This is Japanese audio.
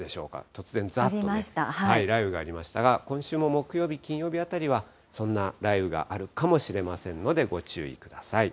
突然ざっと雷雨がありましたが、今週も木曜日、金曜日当たりはそんな雷雨があるかもしれませんのでご注意ください。